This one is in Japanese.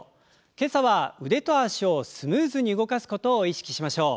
今朝は腕と脚をスムーズに動かすことを意識しましょう。